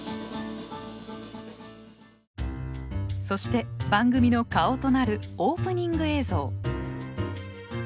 そして番組の顔となるオープニング映像。